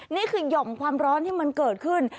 หย่อมความร้อนที่มันเกิดขึ้น